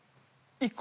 １個？